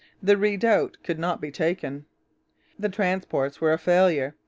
The redoubt could not be taken. The transports were a failure.